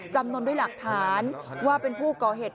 จำนวนด้วยหลักฐานว่าเป็นผู้ก่อเหตุ